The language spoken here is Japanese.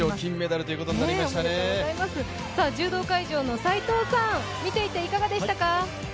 柔道会場の斎藤さん、見ていていかがでしたか。